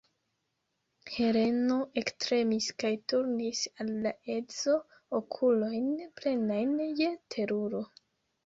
Heleno ektremis kaj turnis al la edzo okulojn, plenajn je teruro.